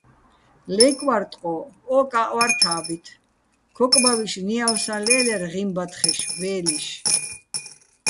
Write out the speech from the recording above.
ლეკ ვარ ტყო́ჸ, ო-კაჸ ვარ თა́ბით, ქოკბავიშ, ნიავსაჼ ლე́ლერ ღიმ ბათხეშ, ვე́ლიშ.